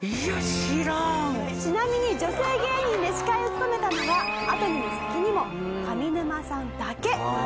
「ちなみに女性芸人で司会を務めたのはあとにも先にも上沼さんだけなんだそうです」